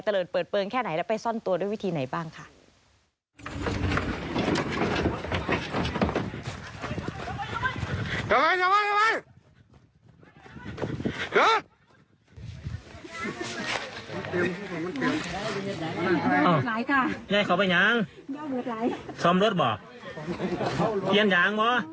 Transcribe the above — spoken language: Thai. เลินเปิดเปลืองแค่ไหนแล้วไปซ่อนตัวด้วยวิธีไหนบ้างค่ะ